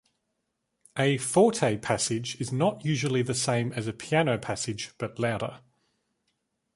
A "forte" passage is not usually "the same as a "piano" passage but louder".